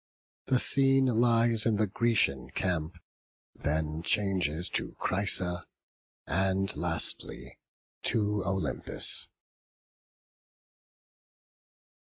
The scene lies in the Grecian camp, then changes to Chrysa, and lastly to Olympus.